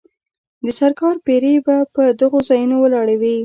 د سرکار پیرې به په دغو ځایونو ولاړې وې.